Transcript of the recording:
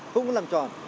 không có làm tròn